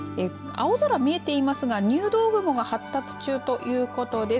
青空見えてますが入道雲が発達中ということです。